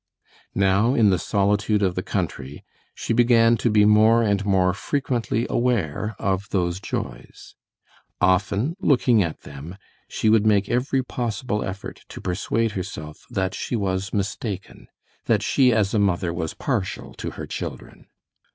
Now in the solitude of the country, she began to be more and more frequently aware of those joys. Often, looking at them, she would make every possible effort to persuade herself that she was mistaken, that she as a mother was partial to her children.